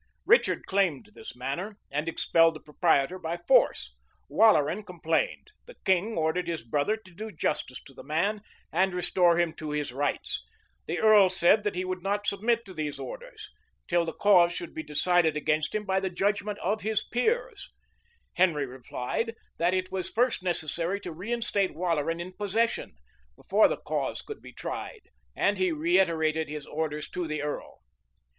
Richard claimed this manor, and expelled the proprietor by force: Waleran complained: the king ordered his brother to do justice to the man, and restore him to his rights: the earl said that he would not submit to these orders, till the cause should be decided against him by the judgment of his peers: Henry replied, that it was first necessary to reinstate Waleran in possession, before the cause could be tried; and he reiterated his orders to the earl.